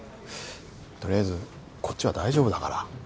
取りあえずこっちは大丈夫だから。